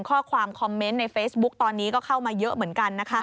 ข้อความคอมเมนต์ในเฟซบุ๊กตอนนี้ก็เข้ามาเยอะเหมือนกันนะคะ